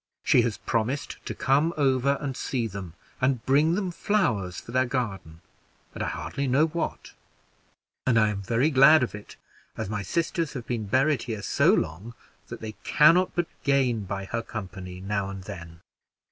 She has promised to come over and see them, and bring them flowers for their garden, and I hardly know what; and I am very glad of it, as my sisters have been buried here so long, that they can not but gain by her company now and then.